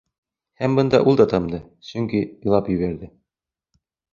Һәм бында ул да тымды, сөнки илап ебәрҙе...